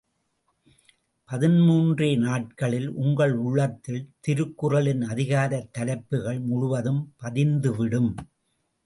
பதின்மூன்றே நாட்களில் உங்கள் உள்ளத்தில் திருக்குறளின் அதிகாரத் தலைப்புகள் முழுவதும் பதிந்து விடும்.